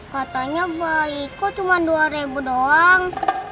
katanya baik kok cuma rp dua doang